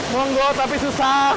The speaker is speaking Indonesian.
monggo tapi susah